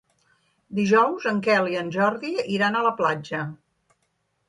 Dijous en Quel i en Jordi iran a la platja.